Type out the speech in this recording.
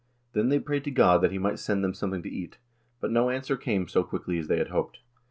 Then they prayed to God that he might send them something to eat; but no answer came so quickly as they had hoped."